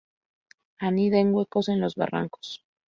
Anida en huecos en los barrancos.